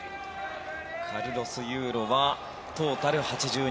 カルロス・ユーロはトータル８２．０９８。